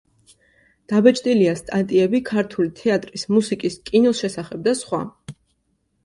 დაბეჭდილია სტატიები ქართული თეატრის, მუსიკის, კინოს შესახებ და სხვა.